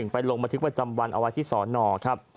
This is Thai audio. ไปลงบันทึกประจำวันเอาไว้ที่สอนอครับ